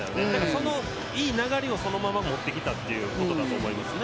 そのいい流れをそのまま持ってきたということだと思いますね。